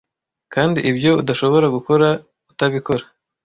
kandi ibyo udashobora gukora utabikora